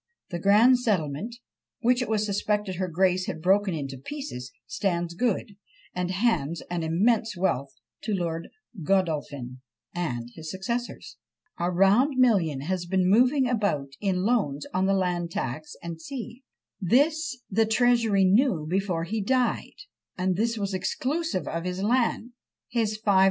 The grand settlement, which it was suspected her grace had broken to pieces, stands good, and hands an immense wealth to Lord Godolphin and his successors. A round million has been moving about in loans on the land tax, &c. This the Treasury knew before he died, and this was exclusive of his 'land;' his 5000_l.